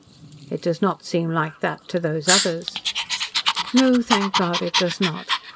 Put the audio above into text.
"It does not seem like that to those others." "No, thank God, it does not.